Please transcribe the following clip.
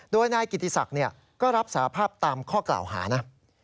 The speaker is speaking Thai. โดยนายกิติศักดิ์ก็รับสาภาพตามข้อกล่าวหานะ